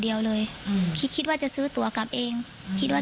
เดียวเลยอืมคิดคิดว่าจะซื้อตัวกลับเองคิดว่า